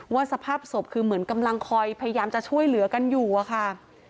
สภาพศพคือเหมือนกำลังคอยพยายามจะช่วยเหลือกันอยู่อะค่ะ